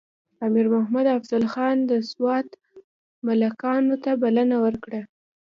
امیر محمد افضل خان د سوات ملکانو ته بلنه ورکړه.